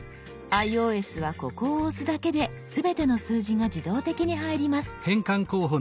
ｉＯＳはここを押すだけで全ての数字が自動的に入ります。